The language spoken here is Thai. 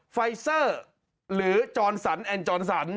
ไฟเซอร์หรือจอนสันจอนสัน